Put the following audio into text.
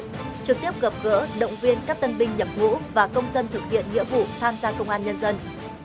trực tiếp gặp gỡ động viên các tân binh nhập ngũ và công dân thực hiện nghĩa vụ tham gia công an nhân dân